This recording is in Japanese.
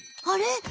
あれ？